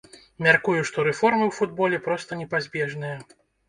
Мяркую, што рэформы ў футболе проста непазбежныя.